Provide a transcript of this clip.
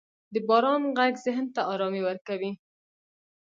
• د باران ږغ ذهن ته آرامي ورکوي.